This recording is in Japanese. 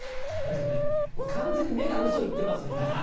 完全に目がウソ言ってますもんね。